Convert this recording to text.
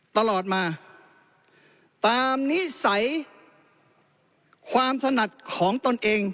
ตลอดมาตามนิสัยความถนัดของตนเอง